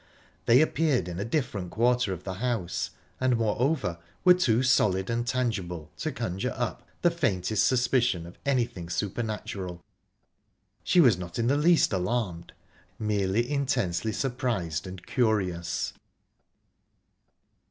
They appeared in a different quarter of the house, and, moreover, were too solid and tangible to conjure up the faintest suspicion of anything supernatural. She was not in the least alarmed; merely intensely surprised and curious.